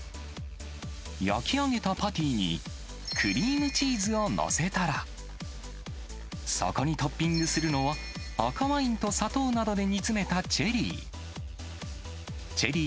焼き上げたパティにクリームチーズを載せたら、そこにトッピングするのは、赤ワインと砂糖などで煮詰めたチェリー。